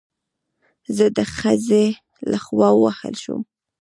زه د خځې له خوا ووهل شوم